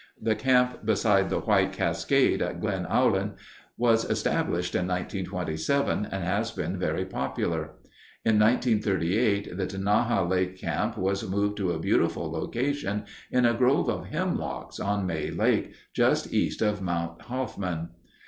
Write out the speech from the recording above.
The camp beside the White Cascade at Glen Aulin was established in 1927 and has been very popular. In 1938, the Tenaya Lake Camp was moved to a beautiful location in a grove of hemlocks on May Lake, just east of Mount Hoffmann.